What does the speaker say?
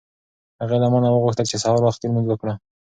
هغې له ما نه وغوښتل چې سهار وختي لمونځ وکړه.